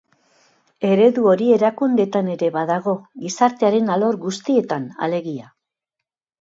Eredu hori erakundeetan ere badago, gizartearen alor guztietan, alegia.